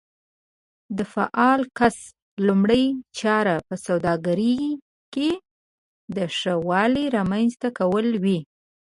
د فعال کس لومړۍ چاره په سوداګرۍ کې د ښه والي رامنځته کول وي.